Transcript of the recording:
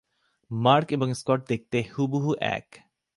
Mark এবং Scott দেখতে হুবহু এক।